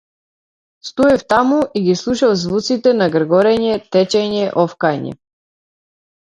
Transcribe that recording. Стоев таму и ги слушав звуците на гргорење, течење, офкање.